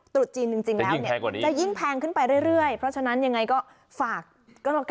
ตรุษจีนจริงแล้วเนี่ยจะยิ่งแพงขึ้นไปเรื่อยเพราะฉะนั้นยังไงก็ฝากก็แล้วกัน